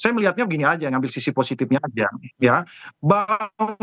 saya melihatnya begini aja ngambil sisi positifnya aja